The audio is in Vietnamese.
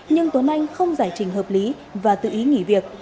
nhưng tuấn anh không giải trình hợp lý và tự ý nghỉ việc